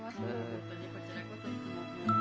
本当にこちらこそいつも。